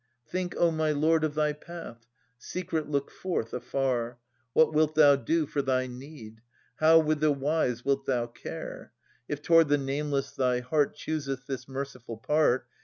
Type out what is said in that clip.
Think, O my lord, of thy path, Secretly look forth afar, What wilt thou do for thy need ? How with the wise wilt thou care ? If toward the nameless thy heart Chooseth this merciful part.